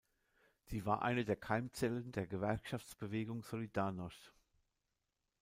Sie war eine der Keimzellen der Gewerkschaftsbewegung „Solidarność“.